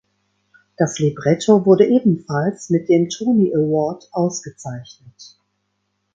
Das Libretto wurde ebenfalls mit dem Tony Award ausgezeichnet.